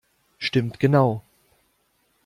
Stimmt genau!